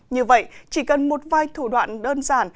như vậy chỉ cần một vài thủ đỏ già